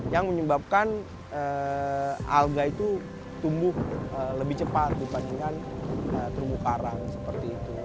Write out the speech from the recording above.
yang menyebabkan alga itu tumbuh lebih cepat dibandingkan terumbu karang seperti itu